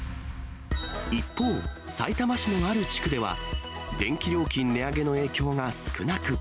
一方、さいたま市のある地区では、電気料金値上げの影響が少なく。